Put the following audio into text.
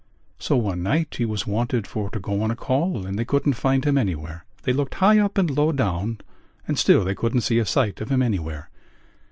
So one night he was wanted for to go on a call and they couldn't find him anywhere. They looked high up and low down; and still they couldn't see a sight of him anywhere.